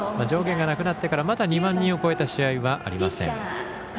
上限がなくなってからまだ２万人を超えた試合はありません。